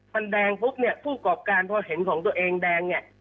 มันแดงปุ๊บเนี่ยผู้กรอบการพอเห็นของตัวเองแดงเนี่ย